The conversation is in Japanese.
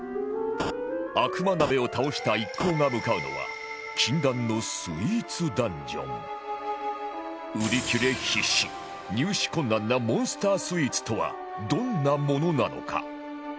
悪魔鍋を倒した一行が向かうのは売り切れ必至入手困難なモンスタースイーツとはどんなものなのか？